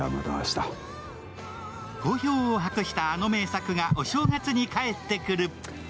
好評を博したあの名作がお正月に帰ってくる。